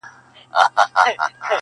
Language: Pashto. هغه راغی لکه خضر ځلېدلی؛